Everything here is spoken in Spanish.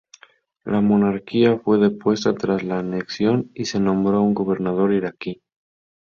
La monarquía fue depuesta tras la anexión y se nombró a un gobernador iraquí.